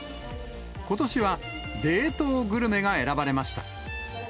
ことしは、冷凍グルメが選ばれました。